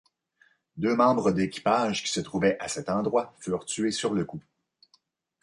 Deux membres d'équipage qui se trouvaient à cet endroit furent tués sur le coup.